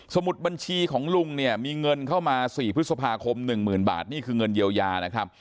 สมุดบัญชีของลุงมีเงินเข้ามา๔พฤษภาคม๑๐๐๐๐บาทนี่คือเงินเยียวยา